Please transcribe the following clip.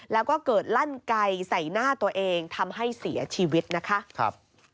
แล้วก็เกิดลั่นไก่ใส่หน้าตัวเองทำให้เสียชีวิตนะคะ